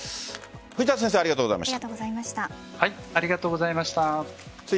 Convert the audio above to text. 藤田先生ありがとうございました。